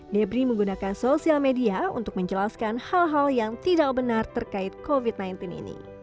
debri menggunakan sosial media untuk menjelaskan hal hal yang tidak benar terkait covid sembilan belas ini